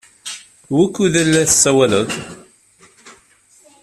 Wukud ay la tessawaleḍ?